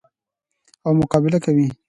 او مقابله کوي.